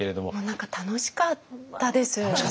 何か楽しかったです。